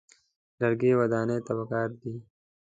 لرګي ودانۍ ته پکار دي.